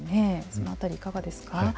そのあたり、いかがですか。